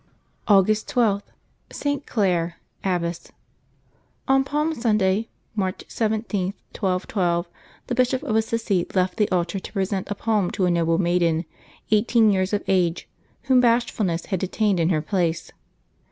August 12.— ST. CLARE, Abbess. ON Palm Sunday, March 17, 1212, the Bishop of Assisi left the altar to present a palm to a noble maiden, eighteen years of age, whom bashfulness had detained in her place.